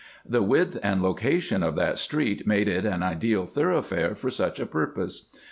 The width and location of that street made it an ideal thoroughfare for such a purpose.